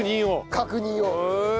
確認を。